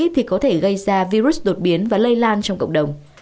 thì có thể gây ra virus đột biến và lây lan trong cộng đồng